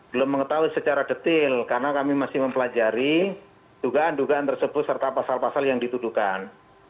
belum mengetahui secara detail karena kami masih mempelajari dugaan dugaan tersebut serta pasal pasal yang dituduhkan